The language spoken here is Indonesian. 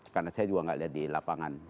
karena saya juga tidak lihat di lapangan